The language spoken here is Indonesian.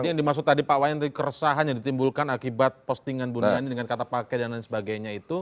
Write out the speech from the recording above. jadi yang dimaksud tadi pak wayan keresahan yang ditimbulkan akibat postingan buniani dengan kata pake dan lain sebagainya itu